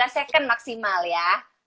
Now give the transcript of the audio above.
lima belas second maksimal ya